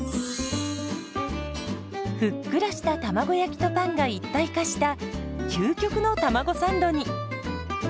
ふっくらした卵焼きとパンが一体化した究極のたまごサンドに。